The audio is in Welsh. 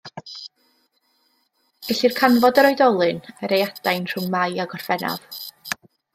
Gellir canfod yr oedolyn ar ei adain rhwng Mai a Gorffennaf.